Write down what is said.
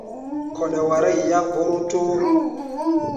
Kɔɗɛ wará yi yák borotoo.